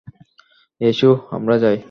এসো আমরা যাই!